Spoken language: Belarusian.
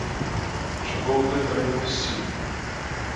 Чаго ў гэты раён ісці?